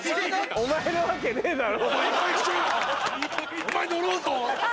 ・お前なわけないだろ！